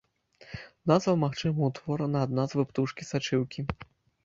Назва, магчыма, утворана ад назвы птушкі сачыўкі.